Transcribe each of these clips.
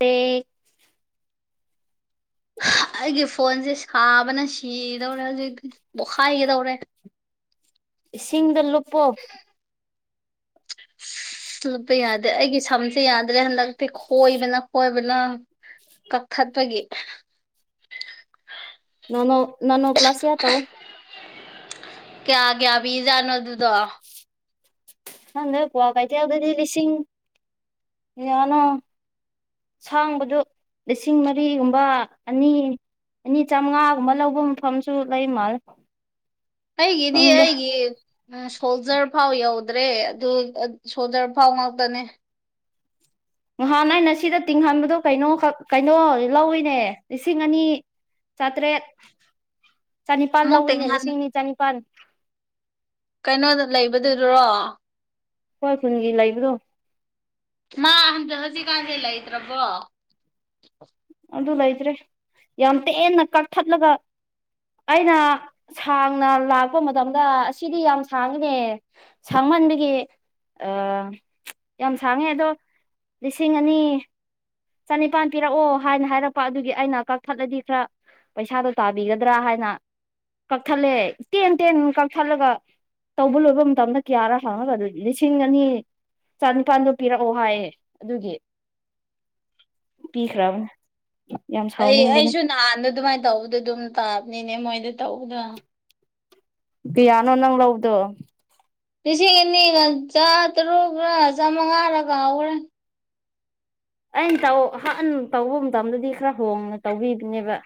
ꯑꯩ ꯑꯩꯒꯤ ꯐꯣꯟꯁꯦ ꯁꯥꯕꯅ ꯁꯤꯗꯧꯔꯦ ꯍꯧꯖꯤꯛꯇꯤ ꯄꯣꯈꯥꯏꯒꯗꯧꯔꯦ ꯏꯁꯤꯡꯗ ꯂꯨꯄꯣ [inaudible] ꯑ ꯂꯨꯞꯄ ꯌꯥꯗꯦ ꯑꯩꯒꯤ ꯁꯝꯁꯦ ꯌꯥꯗ꯭ꯔꯦ ꯍꯟꯗꯛꯇꯤ ꯈꯣꯏꯕꯅ ꯈꯣꯏꯕꯅ ꯀꯈꯠꯕꯒꯤ ꯅꯅꯣ ꯅꯅꯣ ꯄ꯭ꯂꯁꯤ ꯌꯥ ꯇꯥꯎ ꯀꯌꯥ ꯀꯌꯥ ꯄꯤ ꯖꯥꯠꯅꯣ ꯑꯗꯨꯗꯣ ꯈꯪꯗꯦꯗ ꯀ꯭ꯋꯥꯀꯩꯊꯦꯜꯗꯗꯤ ꯂꯤꯁꯤꯡ ꯀꯌꯥꯅꯣ ꯁꯥꯡꯕꯗꯨ ꯂꯤꯁꯤꯡ ꯃꯔꯤꯒꯨꯝꯕ ꯑꯅꯤ ꯑꯅꯤ ꯆꯥꯝꯃꯉꯥꯒꯨꯝꯕ ꯂꯧꯕ ꯃꯐꯝꯁꯨ ꯂꯩ ꯃꯥꯜꯂ ꯑꯩꯒꯤꯗꯤ ꯑꯩꯒꯤ ꯎꯝ ꯁꯣꯜꯖꯔ ꯐꯥꯎ ꯌꯧꯗ꯭ꯔꯦ ꯑꯗꯨ ꯁꯣꯜꯖꯔ ꯐꯥꯎ ꯉꯇꯅꯦ ꯉꯍꯥꯟ ꯑꯏꯩꯅ ꯁꯤꯗ ꯇꯤꯡꯍꯟꯕꯗꯣ ꯀꯩꯅꯣꯈꯛ ꯀꯩꯅꯣ ꯂꯧꯏꯤꯅꯦ ꯂꯤꯁꯤꯡ ꯑꯅꯤ ꯆ꯭ꯔꯦ [inaudible] ꯆꯅꯤꯄꯥꯜ ꯑꯃꯨꯛ ꯂꯧꯋꯤꯅꯦ ꯇꯦꯡꯍꯟ ꯂꯤꯁꯤꯡ ꯑꯅꯤ ꯆꯅꯤꯄꯥꯜ ꯀꯩꯅꯣꯗ ꯂꯩꯕꯗꯨꯗꯨꯔꯣ ꯍꯣꯏ ꯈꯨꯟꯒꯤ ꯂꯩꯕ꯭ꯔꯣ ꯃꯥ ꯍꯟꯗꯛ ꯍꯧꯖꯤꯛꯀꯥꯟꯁꯦ ꯂꯩꯇ꯭ꯔꯕꯣ ꯑꯗꯨ ꯂꯩꯇ꯭ꯔꯦ ꯌꯥꯝ ꯇꯦꯟꯅ ꯀꯛꯊꯠꯂꯒ ꯑꯩꯅ ꯁꯥꯡꯅ ꯂꯥꯛꯄ ꯃꯇꯝꯗ ꯑꯁꯤꯗꯤ ꯌꯥꯝ ꯁꯥꯡꯉꯤꯅꯦ ꯁꯥꯡꯃꯟꯕꯒꯤ ꯑ ꯌꯥꯝ ꯁꯥꯡꯉꯦ ꯑꯗꯣ ꯂꯤꯁꯤꯡ ꯑꯅꯤ ꯆꯅꯤꯄꯥꯟ ꯄꯤꯔꯛꯑꯣ ꯍꯥꯏꯅ ꯍꯥꯏꯔꯛꯄ ꯑꯗꯨꯒꯤ ꯑꯩꯅ ꯀꯛꯊꯠꯂꯗꯤ ꯈꯔ ꯄꯩꯁꯥꯗꯣ ꯇꯥꯕꯤꯒꯗ꯭ꯔꯥ ꯍꯥꯏꯅ ꯀꯛꯊꯠꯂꯦ ꯇꯦꯟ ꯇꯦꯟ ꯀꯛꯊꯠꯂꯒ ꯇꯧꯕ ꯂꯣꯏꯕ ꯃꯇꯝꯗ ꯀꯌꯥꯔ ꯍꯥꯡꯉꯒ ꯂꯤꯁꯤꯡ ꯑꯅꯤ ꯆꯅꯤꯄꯥꯜꯗꯣ ꯄꯤꯔꯛꯑꯣ ꯍꯥꯏꯌꯦ ꯑꯗꯨꯒꯤ ꯄꯤꯈ꯭ꯔꯥꯕꯅꯦ ꯑꯩ ꯑꯩꯁꯨ ꯅꯍꯥꯟꯗ ꯑꯗꯨꯃꯥꯏꯅ ꯇꯧꯕꯗꯣ ꯑꯗꯨꯝ ꯇꯥꯕꯅꯤꯅꯦ ꯃꯣꯏꯗ ꯇꯧꯕꯗꯣ ꯀꯤꯌꯥꯅꯣ ꯅꯪ ꯂꯧꯕꯗꯨ ꯂꯤꯁꯤꯡ ꯑꯅꯤꯒ ꯆꯥꯇꯔꯨꯛꯂ ꯆꯥꯃꯉꯥꯔ ꯀꯥꯎꯈ꯭ꯔꯦ ꯑꯩꯅ ꯇꯧ ꯍꯥꯟꯅ ꯇꯧꯕ ꯃꯇꯝꯗꯗꯤ ꯈꯔ ꯍꯣꯡꯅ ꯇꯧꯕꯤꯕꯅꯦꯕ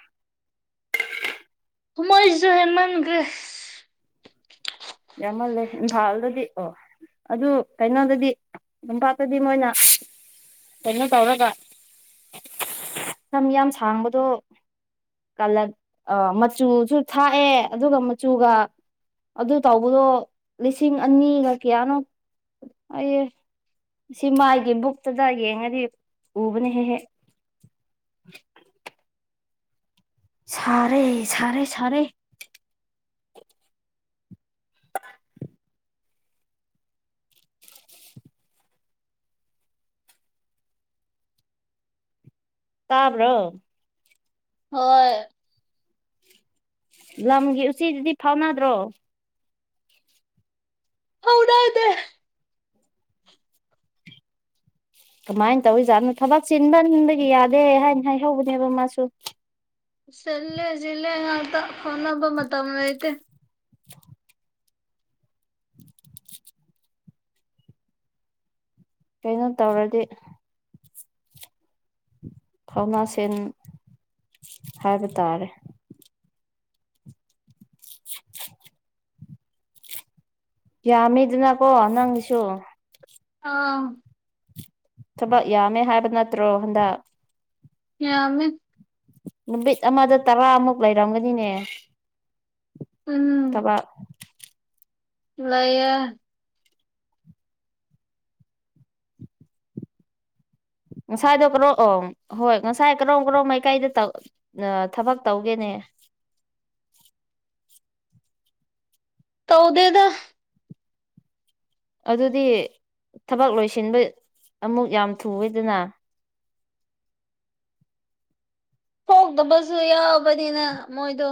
ꯃꯣꯏꯁꯤꯁꯨ ꯍꯦꯟꯃꯟꯒ꯭ꯔꯦ ꯌꯥꯝꯃꯜꯂꯦ ꯏꯝꯐꯥꯜꯗꯗꯤꯀꯣ ꯑꯗꯨ ꯀꯩꯅꯣꯗꯗꯤ ꯇꯝꯄꯥꯛꯇꯗꯤ ꯃꯣꯏꯅ ꯀꯩꯅꯣ ꯇꯧꯔꯒ ꯁꯝ ꯌꯥꯝ ꯁꯥꯡꯕꯗꯣ ꯇꯜꯂꯦ ꯃꯆꯨꯁꯨ ꯊꯥꯛꯑꯦ ꯑꯗꯨꯒ ꯃꯆꯨꯒ ꯑꯗꯨ ꯇꯧꯕꯗꯣ ꯂꯤꯁꯤꯡ ꯑꯅꯤꯒ ꯀꯌꯥꯅꯣ ꯍꯥꯏꯌꯦ ꯁꯤ ꯃꯥꯏꯒꯤ ꯕꯨꯛꯇꯨꯗ ꯌꯦꯡꯉꯗꯤ ꯎꯕꯅꯦ ꯍꯦꯛ ꯍꯦꯛ ꯁꯥꯔꯦ ꯁꯥꯔꯦ ꯁꯥꯔꯦ [inaudible] ꯇꯥꯕ꯭ꯔꯣ ꯍꯣꯏ ꯂꯝꯒꯤ ꯎꯆꯤꯗꯨꯗꯤ ꯐꯥꯎꯅꯗ꯭ꯔꯣ ꯐꯥꯎꯅꯗꯦ ꯀꯃꯥꯏꯅ ꯇꯧꯔꯤꯖꯥꯠꯅꯣ ꯊꯕꯛ ꯆꯤꯟꯕꯟꯕꯗꯒꯤ ꯌꯥꯗꯦ ꯍꯥꯏꯅ ꯍꯥꯏꯍꯧꯕꯅꯦꯕ ꯃꯥꯁꯨ ꯆꯤꯜꯂꯦ ꯆꯤꯜꯂꯦ ꯌꯥꯝꯅꯥ ꯐꯥꯎꯅꯕ ꯃꯇꯝ ꯂꯩꯇꯦ [unintelligible] ꯀꯩꯅꯣ ꯇꯧꯔꯗꯤ ꯊꯧꯅꯥ ꯁꯦꯟ ꯍꯥꯏꯕ ꯇꯥꯔꯦ ꯌꯥꯝꯃꯤꯗꯅꯀꯣ ꯅꯪꯁꯨ ꯑꯥ ꯊꯕꯛ ꯌꯥꯝꯃꯦ ꯍꯥꯏꯕ ꯅꯠꯇ꯭ꯔꯣ ꯍꯟꯗꯛ ꯌꯥꯝꯃꯦ ꯅꯨꯃꯤꯠ ꯑꯃꯗ ꯇꯔꯥꯑꯃꯨꯛ ꯂꯩꯔꯝꯒꯅꯤꯅꯦ ꯎꯝ ꯊꯕ ꯂꯩꯌꯦ ꯉꯁꯥꯏꯗꯣ ꯀꯔꯣꯛꯑꯣ ꯍꯣꯏ ꯉꯁꯥꯏ ꯀꯔꯣꯝ ꯀꯔꯣꯝ ꯃꯥꯏꯀꯥꯏꯗ ꯇꯧ ꯅ ꯊꯕꯛ ꯇꯧꯒꯦꯅꯦ ꯇꯧꯗꯦꯗ ꯑꯗꯨꯗꯤ ꯊꯕꯛ ꯂꯣꯏꯁꯤꯟꯕ ꯑꯃꯨꯛ ꯌꯥꯝ ꯊꯨꯋꯦꯗꯅ ꯄꯣꯛꯇꯕꯁꯨ ꯌꯥꯎꯕꯅꯤꯅ ꯃꯣꯏꯗꯣ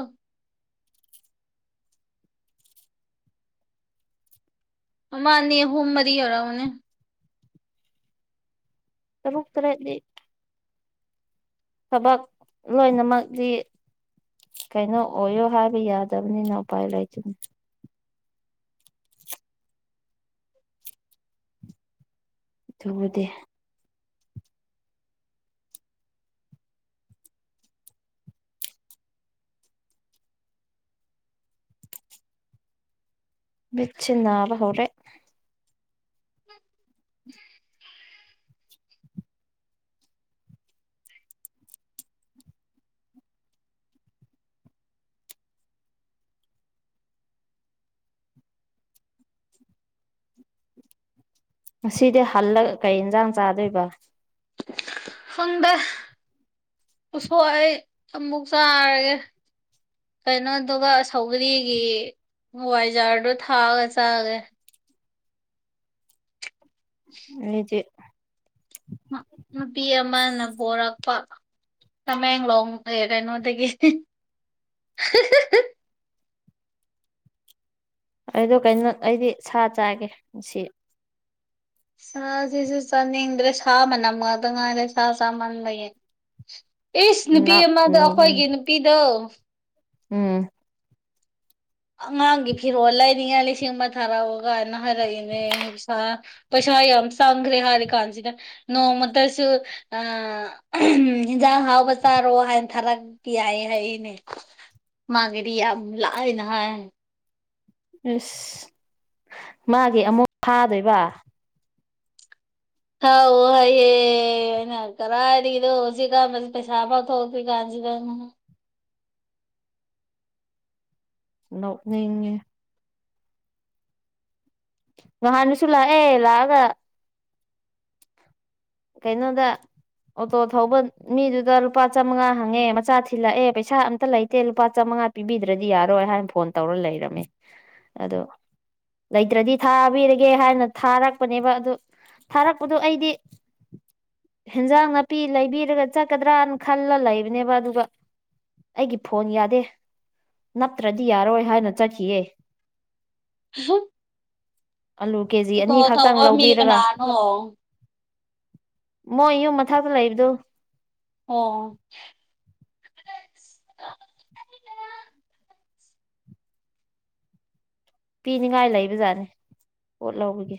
ꯃꯥꯅꯦ ꯑꯍꯨꯝꯃꯗꯤ ꯑꯣꯏꯧꯔꯛꯎꯅꯦ ꯇꯔꯨꯛ ꯇꯔꯦꯠꯗꯤ ꯊꯕꯛ ꯂꯣꯏꯅꯃꯛꯗꯤ ꯀꯩꯅꯣ ꯑꯣꯏꯌꯣ ꯍꯥꯏꯕ ꯌꯥꯗꯕꯅꯤꯅ ꯎꯄꯥꯏ ꯂꯩꯇꯦ ꯗꯨꯕꯨꯗꯤ ꯃꯤꯠꯁꯦ ꯅꯥꯕ ꯍꯧꯔꯦ ꯉꯁꯤꯗꯤ ꯍꯜꯂꯒ ꯀꯩ ꯏꯟꯁꯥꯡ ꯆꯥꯗꯣꯏꯕ ꯈꯪꯗꯦ ꯑꯨꯁꯣꯏ ꯑꯃꯨꯛ ꯆꯥꯔꯒꯦ ꯀꯩꯅꯣꯗꯨꯒ ꯁꯧꯒ꯭ꯔꯤꯒꯤ ꯋꯥꯏꯖꯥꯔꯗꯣ ꯊꯥꯛꯑꯒ ꯆꯥꯒꯦ ꯑꯩꯗꯤ ꯅꯨꯄꯤ ꯑꯃꯅ ꯄꯣꯔꯛꯄ ꯇꯃꯦꯡꯂꯣꯡ ꯑꯦ ꯀꯩꯅꯣꯗꯒꯤ ꯑꯩꯗꯣ ꯀꯩꯅꯣꯠ ꯑꯩꯗꯤ ꯁꯥ ꯆꯥꯒꯦ ꯁꯤ ꯁꯥꯁꯤꯁꯨ ꯆꯥꯅꯤꯡꯗ꯭ꯔꯦ ꯁꯥ ꯃꯅꯝ ꯉꯥꯛꯇ ꯉꯥꯏꯔꯦ ꯁꯥ ꯆꯥꯃꯟꯕꯒꯤ ꯑꯤꯁ ꯅꯨꯄꯤ ꯅꯥꯛ ꯑꯃꯗ ꯈꯨꯟ ꯑꯩꯈꯣꯏꯒꯤ ꯅꯨꯄꯤꯗꯣ ꯎꯝ ꯑꯉꯥꯡꯒꯤ ꯐꯤꯔꯣꯜ ꯂꯩꯔꯤꯉꯥꯏ ꯂꯤꯁꯤꯡ ꯑꯃ ꯊꯥꯔꯛꯑꯣ ꯒꯥꯏꯅ ꯍꯥꯏꯔꯛꯏꯅꯦ ꯏꯁ ꯄꯩꯁꯥ ꯌꯥꯝꯆꯪꯒ꯭ꯔꯦ ꯍꯥꯔꯤꯀꯥꯟꯁꯤꯗ ꯅꯣꯡꯃꯗꯁꯨ ꯑ ꯑꯍꯝ ꯍꯟꯖꯥꯡ ꯍꯥꯎꯕ ꯆꯥꯔꯣ ꯍꯥꯏꯅ ꯊꯥꯔꯛꯄ ꯌꯥꯏ ꯍꯥꯏꯌꯦꯅꯦ ꯃꯥꯒꯤꯗꯤ ꯌꯥꯝ ꯂꯥꯏꯅꯍꯥꯏ ꯑꯁ ꯃꯥꯒꯤ ꯑꯃꯣꯛ ꯊꯥꯗꯣꯏꯕ ꯊꯥꯎ ꯍꯌꯦ ꯑꯩꯅ ꯀꯔꯥꯏꯗꯒꯤꯗꯣ ꯍꯧꯖꯤꯛꯀꯥꯟ ꯄꯩꯁꯥ ꯐꯥꯎ ꯊꯣꯛꯇ꯭ꯔꯤ ꯀꯥꯟꯁꯤꯗ ꯅꯣꯛꯅꯤꯡꯉꯦ ꯅꯍꯥꯟꯗꯨꯁꯨ ꯂꯥꯛꯑꯦ ꯂꯥꯛꯑꯒ ꯀꯩꯩꯅꯣꯗ ꯑꯣꯇꯣ ꯊꯧꯕ ꯃꯤꯗꯨꯗ ꯂꯨꯄꯥ ꯆꯥꯝꯃꯉꯥ ꯍꯪꯉꯦ ꯃꯆꯥ ꯊꯤꯜꯂꯥꯛꯑꯦ ꯄꯩꯁꯥ ꯑꯝꯇ ꯂꯩꯇꯦ ꯂꯨꯄꯥ ꯆꯥꯝꯃꯉꯥ ꯄꯤꯕꯤꯗ꯭ꯔꯥꯗꯤ ꯌꯥꯔꯣꯏ ꯍꯥꯏꯅ ꯐꯣꯟ ꯇꯧꯔ ꯂꯩꯔꯝꯃꯦ ꯑꯗꯣ ꯂꯩꯇ꯭ꯔꯥꯗꯤ ꯊꯥꯕꯤꯔꯒꯦ ꯍꯥꯏꯅ ꯊꯥꯔꯛꯄꯅꯦꯕ ꯑꯗꯨ ꯊꯥꯔꯛꯄꯗꯨ ꯑꯩꯗꯤ ꯍꯦꯟꯖꯥꯡ ꯅꯥꯄꯤ ꯂꯩꯕꯤꯔꯒ ꯆꯠꯀꯗ꯭ꯔꯥꯅ ꯈꯜꯂ ꯂꯩꯕꯅꯦꯕ ꯑꯗꯨꯒ ꯑꯩꯒꯤ ꯐꯣꯟ ꯌꯥꯗꯦ ꯅꯞꯇ꯭ꯔꯥꯗꯤ ꯌꯥꯔꯣꯏ ꯍꯥꯏꯅ ꯆꯠꯈꯤꯌꯦ [inaudible] ꯑꯂꯨ ꯀꯦꯖꯤ ꯑꯅꯤ ꯈꯛꯇꯪ ꯂꯧꯕꯤꯔꯒ ꯑꯣꯡ ꯃꯣꯏ ꯌꯨꯝ ꯃꯊꯛꯇ ꯂꯩꯕꯗꯨ ꯑꫭ ꯄꯤꯅꯤꯉꯥꯏ ꯂꯩꯕ ꯖꯥꯠꯅꯦ ꯄꯣꯠ ꯂꯧꯕꯒꯤ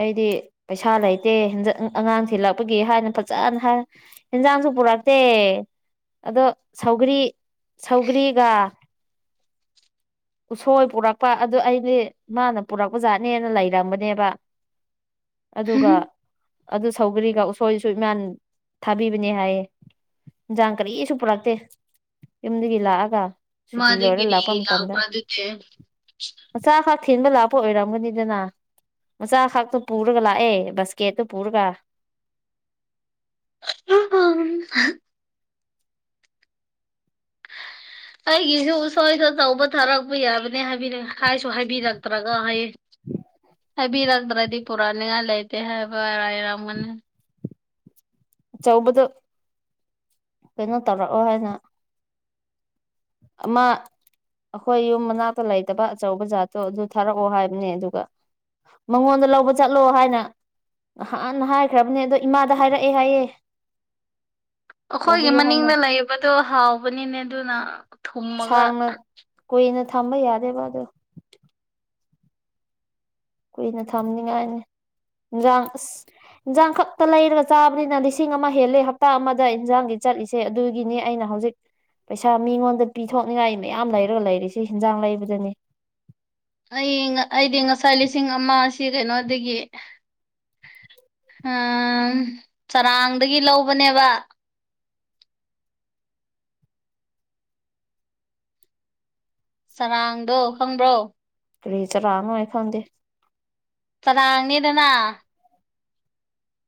ꯑꯩꯗꯤ ꯄꯩꯁꯥ ꯂꯩꯇꯦ [unintelligible] ꯑꯉꯥꯡ ꯊꯤꯜꯂꯛꯄꯒꯤ ꯍꯥꯏꯅ ꯐꯖꯅ ꯍꯥꯏ ꯍꯦꯟꯖꯥꯡꯁꯨ ꯄꯨꯔꯛꯇꯦ ꯑꯗꯣ ꯁꯧꯒ꯭ꯔꯤ ꯁꯧꯒ꯭ꯔꯤꯒ ꯎꯁꯣꯏ ꯄꯨꯔꯛꯄ ꯑꯗꯨ ꯑꯩꯗꯤ ꯃꯥꯅ ꯄꯨꯔꯛꯄꯖꯥꯠꯅꯦꯅ ꯂꯩꯔꯝꯕꯅꯦꯕ [inaudible] ꯑꯗꯨꯒ ꯑꯗꯨ ꯁꯧꯒ꯭ꯔꯤꯒ ꯎꯁꯣꯏꯁꯨ ꯏꯃꯥꯟ ꯊꯥꯕꯤꯕꯅꯦ ꯍꯥꯏꯌꯦ ꯏꯟꯁꯥꯡ ꯀꯔꯤꯁꯨ ꯄꯨꯔꯛꯇꯦ ꯌꯨꯝꯗꯒꯤ ꯂꯥꯛꯑꯒ ꯁꯨꯇꯤ ꯂꯣꯏꯔ ꯂꯥꯛꯄ ꯃꯥꯗꯒꯔꯤ ꯂꯥꯕ ꯃꯇꯝꯗ ꯑꯗꯨꯗꯦ ꯃꯆꯥ ꯈꯛ ꯊꯤꯟꯕ ꯂꯥꯛꯄ ꯑꯣꯏꯔꯝꯒꯅꯤꯗꯅ ꯃꯆꯥ ꯈꯥꯛꯇꯨ ꯄꯨꯔꯒ ꯂꯥꯛꯑꯦ ꯕꯁꯀꯦꯠꯇ ꯄꯨꯔꯒ [unintelligible] ꯑꯩꯒꯤꯁꯨ ꯎꯁꯣꯏꯗꯣ ꯑꯆꯧꯕ ꯊꯥꯔꯛꯄ ꯌꯥꯕꯅꯦ ꯍꯥꯏꯁꯨ ꯍꯥꯏꯕꯤꯔꯛꯇ꯭ꯔꯒ ꯍꯥꯢꯌꯦ ꯍꯥꯏꯕꯤꯔꯛꯇ꯭ꯔꯗꯤ ꯄꯨꯔꯛꯅꯤꯡꯉꯥꯏ ꯂꯩꯇꯦ ꯍꯥꯏꯕ [unintelligible] ꯂꯩꯔꯝꯒꯅꯤ ꯆꯧꯕꯗꯨ ꯀꯩꯅꯣ ꯇꯧꯔꯛꯑꯣ ꯍꯥꯏꯅ ꯑꯃꯥ ꯑꯈꯣꯏ ꯌꯨꯝ ꯃꯅꯥꯛꯇ ꯂꯩꯇꯕ ꯑꯆꯧꯕ ꯖꯥꯠꯇꯣ ꯑꯗꯨ ꯊꯥꯔꯛꯑꯣ ꯍꯥꯏꯕꯅꯦ ꯑꯗꯨꯒ ꯃꯉꯣꯟꯗ ꯂꯧꯕ ꯆꯠꯂꯎ ꯍꯥꯏꯅ ꯅꯍꯥꯟꯅ ꯍꯥꯏꯈ꯭ꯔꯕꯅꯦ ꯑꯗꯣ ꯏꯃꯥꯗ ꯍꯥꯏꯔꯛꯑꯦ ꯍꯥꯏꯌꯦ ꯑꯈꯣꯏꯒꯤ ꯂꯧꯕꯤꯌꯨ ꯍꯥꯏꯅ ꯃꯅꯤꯡꯗ ꯂꯩꯕꯗꯣ ꯍꯥꯎꯕꯅꯤꯅꯦ ꯑꯗꯨꯅ ꯊꯨꯝꯃꯒ ꯁꯥꯡꯅ ꯀꯨꯏꯅ ꯊꯝꯕ ꯌꯥꯗꯦꯕ ꯑꯗꯣ ꯀꯨꯏꯅ ꯊꯝꯅꯤꯡꯉꯥꯏꯅꯤ ꯏꯟꯖꯥꯡ ꯑꯁ ꯏꯟꯖꯥꯡ ꯈꯛꯇ ꯂꯩꯔꯒ ꯆꯥꯕꯅꯤꯅ ꯂꯤꯁꯤꯡ ꯑꯃ ꯍꯦꯜꯂꯦ ꯍꯞꯇꯥ ꯑꯃꯗ ꯏꯟꯖꯥꯡꯒꯤ ꯆꯠꯂꯤꯁꯤ ꯁꯦ ꯑꯗꯨꯒꯤꯅꯦ ꯑꯩꯅ ꯍꯧꯖꯤꯛ ꯄꯩꯁꯥ ꯃꯤꯉꯣꯟꯗ ꯄꯤꯊꯣꯛꯅꯤꯡꯉꯥꯏ ꯃꯌꯥꯝ ꯂꯩꯔꯒ ꯂꯩꯔꯤꯁꯤ ꯍꯤꯟꯖꯥꯡ ꯂꯩꯕꯗꯅꯤ ꯑꯩ ꯑꯩꯗꯤ ꯉꯁꯥꯏ ꯂꯤꯁꯤꯡ ꯑꯃ ꯁꯤ ꯀꯩꯅꯣꯗꯒꯤ ꯆꯔꯥꯡꯗꯒꯤ ꯂꯧꯕꯅꯦꯕ ꯆꯔꯥꯡꯗꯣ ꯈꯪꯕ꯭ꯔꯣ ꯀꯔꯤ ꯆꯥꯔꯅꯣ ꯑꯩ ꯈꯪꯗꯦ ꯆꯔꯥꯡꯅꯤꯗꯅ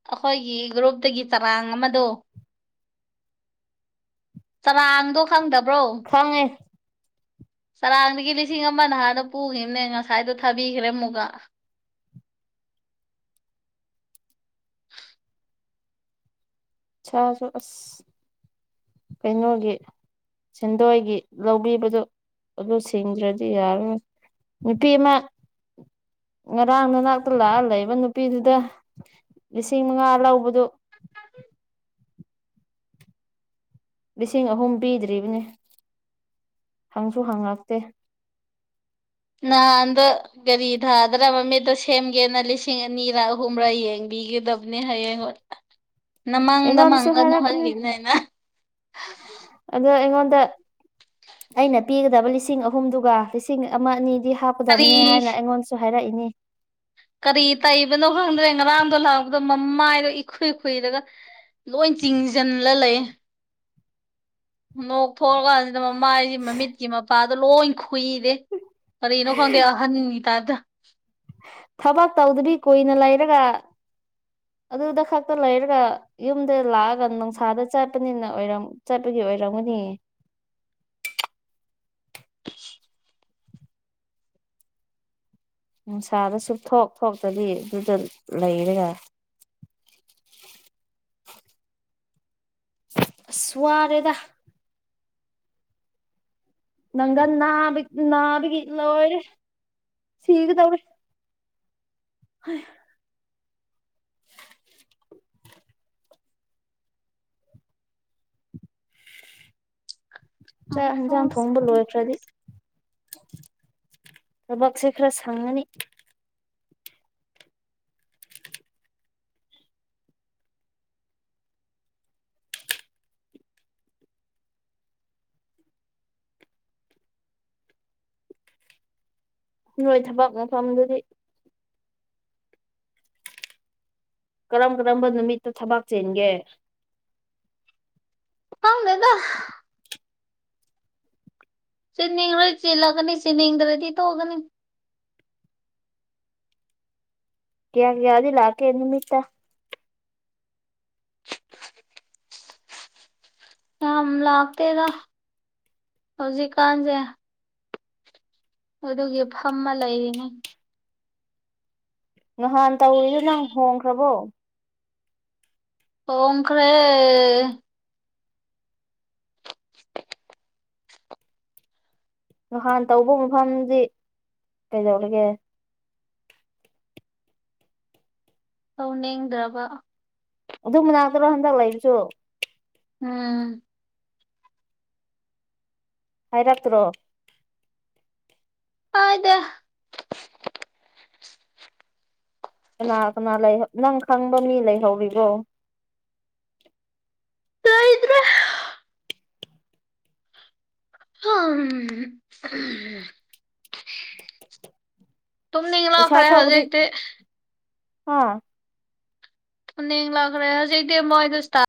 ꯑꯩꯈꯣꯏꯒꯤ ꯒ꯭ꯔꯨꯞꯇꯒꯤ ꯆꯔꯥꯡ ꯑꯃꯗꯣ ꯆꯔꯥꯡꯗꯣ ꯈꯪꯗꯕ꯭ꯔꯣ ꯈꯪꯉꯦ ꯆꯔꯥꯡꯗꯒꯤ ꯂꯤꯁꯤꯡ ꯑꯃ ꯅꯍꯥꯟꯗ ꯄꯨꯈꯤꯕꯅꯦ ꯉꯁꯥꯏꯗꯣ ꯊꯥꯕꯤꯈ꯭ꯔꯦ ꯑꯃꯨꯛꯀ ꯢꯁꯥꯁꯨ ꯑꯁ ꯀꯩꯅꯣꯒꯤ ꯁꯦꯟꯗꯣꯏꯒꯤ ꯂꯧꯕꯤꯕꯗꯣ ꯑꯗꯨ ꯁꯤꯡꯗ꯭ꯔꯗꯤ ꯌꯥꯔꯔꯣꯏ ꯅꯨꯄꯤ ꯑꯃ ꯉꯔꯥꯡ ꯅꯥꯅꯥꯛꯇ ꯂꯥꯛꯑ ꯂꯩꯕ ꯅꯨꯄꯤꯗꯨꯗ ꯂꯤꯁꯤꯡ ꯃꯉꯥ ꯂꯧꯕꯗꯨ ꯂꯤꯁꯤꯡ ꯑꯍꯨꯝ ꯄꯤꯗ꯭ꯔꯤꯕꯅꯤ ꯍꯪꯁꯨ ꯍꯪꯉꯛꯇꯦ ꯅꯍꯥꯟꯗ ꯀꯥꯔꯤ ꯊꯥꯗꯔ ꯃꯃꯤꯠꯇꯣ ꯁꯦꯝꯒꯦꯅ ꯂꯤꯁꯤꯡ ꯑꯅꯤꯔ ꯑꯍꯨꯝꯔꯥ ꯌꯦꯡꯕꯤꯒꯗꯕꯅꯦ ꯍꯌꯦꯡ ꯑꯩꯉꯣꯟꯗ ꯅꯃꯪꯗ ꯑꯩꯉꯣꯟꯗꯁꯨ ꯃꯪꯒꯅꯨ ꯍꯥꯏꯔꯛꯄꯅꯦ ꯍꯥꯢꯒꯤꯕꯅꯦ ꯑꯩꯅ ꯑꯗꯣ ꯑꯩꯉꯣꯟꯗ ꯑꯩꯅ ꯄꯤꯒꯗꯕ ꯂꯤꯁꯤꯡ ꯑꯍꯨꯝꯗꯨꯒ ꯂꯤꯁꯤꯡ ꯑꯃ ꯑꯅꯤꯗꯤ ꯍꯥꯞ ꯀꯔꯤ ꯍꯥꯞꯀꯗꯝꯅꯤ ꯍꯥꯏꯅ ꯑꯩꯉꯣꯟꯗꯁꯨ ꯍꯥꯏꯔꯛꯏꯅꯤ ꯀꯔꯤ ꯇꯩꯕꯅꯣ ꯈꯪꯗ꯭ꯔꯦ ꯉꯔꯥꯡꯗꯣ ꯂꯥꯛꯄꯗꯣ ꯃꯃꯥꯏꯗꯣ ꯏꯈꯨꯏ ꯈꯨꯏꯔꯒ ꯂꯣꯏ ꯆꯤꯡꯖꯤꯜꯂ ꯂꯩꯌꯦ ꯅꯣꯛ ꯊꯣꯔꯥ ꯀꯥꯟꯁꯤꯗ ꯃꯃꯥꯏꯁꯤ ꯃꯃꯤꯠꯀꯤ ꯃꯄꯥꯗꯣ ꯂꯣꯏ ꯈꯨꯏꯔꯦ ꯀꯔꯤꯅꯣ ꯈꯪꯗꯦ ꯑꯍꯟꯒꯤ ꯇꯥꯢꯞꯇ ꯊꯕꯛ ꯇꯧꯗꯕꯤ ꯀꯨꯏꯅ ꯂꯩꯔꯒ ꯑꯗꯨꯗ ꯈꯛꯇ ꯂꯩꯔꯒ ꯌꯨꯝꯗ ꯂꯥꯛꯑꯒ ꯅꯨꯡꯁꯥꯗ ꯆꯠꯄꯅꯤꯅ ꯆꯠꯄꯒꯤ ꯑꯣꯏꯔꯝꯒꯅꯤ ꯅꯨꯡꯁꯥꯗ ꯁꯨꯛ ꯊꯣꯛ ꯊꯣꯛꯇꯕꯤ ꯑꯗꯨꯗ ꯂꯩꯔꯒ ꯑꯁ ꯋꯥꯔꯦꯗ ꯅꯪꯒꯟ ꯅꯥꯕ ꯅꯥꯕꯒꯤ ꯂꯣꯢꯔꯦ ꯁꯤꯒꯗꯧꯔꯦ ꯍꯩ ꯆꯥꯛ ꯌꯦꯟꯁꯥꯡ ꯊꯣꯡꯕ ꯂꯣꯏꯈ꯭ꯔꯗꯤ ꯊꯕꯛꯁꯦ ꯈꯔ ꯁꯪꯉꯅꯤ ꯅꯣꯏ ꯊꯕꯛ ꯃꯐꯝꯗꯨꯗꯤ ꯀꯔꯝ ꯀꯔꯝꯕ ꯅꯨꯃꯤꯠꯇ ꯊꯕꯥꯛ ꯆꯦꯟꯒꯦ ꯈꯪꯗꯦꯗ ꯁꯤꯅꯤꯡ ꯔ ꯆꯤꯂꯒꯅꯤ ꯁꯤꯅꯤꯡꯗꯗꯤ ꯇꯒꯅꯤ ꯀꯌꯥ ꯀꯌꯥꯗꯤ ꯂꯥꯀꯦ ꯅꯨꯃꯤꯠꯇ ꯌꯥꯝ ꯂꯥꯛꯇꯦꯗ ꯍꯧꯖꯤꯛꯀꯥꯟꯁꯦ ꯑꯗꯨꯒꯤ ꯐꯝꯃ ꯂꯩꯔꯤꯅꯤ ꯉꯍꯥꯟ ꯇꯧꯔꯤꯁ ꯅꯪ ꯍꯣꯡꯈ꯭ꯔꯕꯣ ꯑꯣꯈꯔꯦ ꯅꯍꯥꯟ ꯇꯧꯕ ꯃꯐꯝꯗꯤ ꯀꯩꯗꯧꯔꯒꯦ ꯇꯧꯅꯤꯡꯗ꯭ꯔꯕ ꯑꯗꯨ ꯃꯅꯥꯛꯇꯔꯥ ꯍꯟꯗꯛ ꯂꯩꯕꯁꯨ ꯎꯝ ꯍꯥꯏꯔꯛꯇ꯭ꯔꯣ ꯍꯣꯢꯗ ꯀꯅꯥ ꯀꯅꯥ ꯂꯩ ꯅꯪ ꯈꯪꯕ ꯃꯤ ꯂꯩꯍꯧꯔꯤꯕꯣ ꯂꯩꯇ꯭ꯔꯦ [unintelligible] ꯄꯩꯁꯥ ꯇꯨꯝꯅꯤꯡꯂꯛꯈ꯭ꯔꯦ ꯁꯧꯕꯗꯤ ꯍꯧꯖꯤꯛꯇꯤ ꯑꯥ ꯅ ꯂꯥꯛ꯭ꯔꯦ ꯍꯧꯖꯤꯩꯗꯤ ꯃꯣꯏ ꯑꯗꯨꯁꯇ